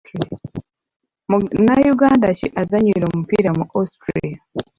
Munnayuganda ki azannyira omupiira mu Austria?